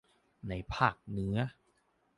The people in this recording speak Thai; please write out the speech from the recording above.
ในภาคเหนือ